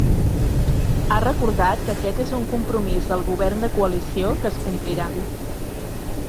Ha recordat que aquest és un compromís del govern de coalició que es complirà.